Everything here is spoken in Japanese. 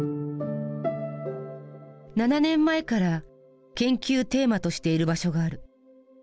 ７年前から研究テーマとしている場所がある。